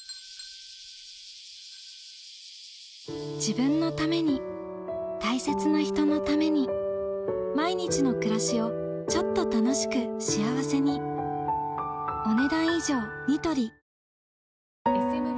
自分のために大切な人のために毎日の暮らしをちょっと楽しく幸せにさて！